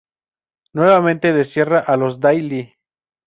Nuevamente, destierra a los Dai Li.